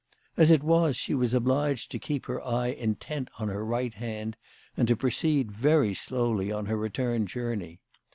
As it was she was obliged to keep her eye intent on her right hand, and to proceed very slowly on her return journey.